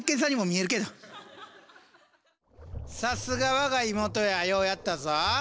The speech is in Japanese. さすが我が妹やようやったぞ！